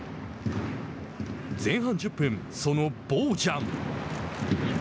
前半１０分そのボージャン。